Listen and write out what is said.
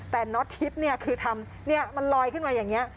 แต่น็อตทิพย์เนี่ยคือทำเนี่ยมันลอยขึ้นมาอย่างเงี้ย